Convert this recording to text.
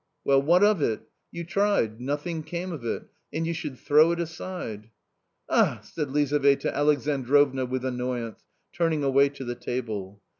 " Well, what of it ? You tried — nothing came of it, and you should throw it aside." " Ah !" said Lizaveta Alexandrovna with annoyance, turning away to the table.